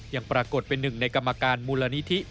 ยังปรากฏเป็นหนึ่งในกรรมการมูลนิธิ